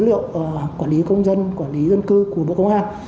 liệu quản lý công dân quản lý dân cư của bộ công an